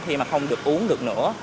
thì mà không được uống được nữa